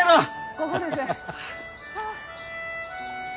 ここです！